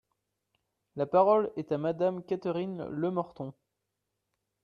La parole est à Madame Catherine Lemorton.